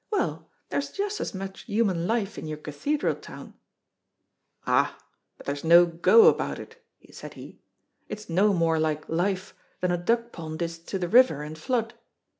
Well, there's just as much human life in your cathedral town." "Ah, but there's no go about it," said he. "It's no more like life than a duck pond is to the river in flood."